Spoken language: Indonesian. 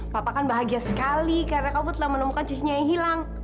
papa kan bahagia sekali karena kamu telah menemukan cucunya yang hilang